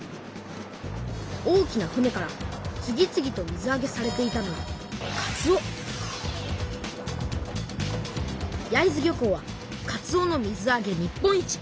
大きな船から次々と水あげされていたのは焼津漁港はかつおの水あげ日本一。